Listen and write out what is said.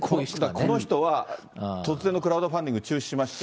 この人は突然のクラウドファンディング中止しまして。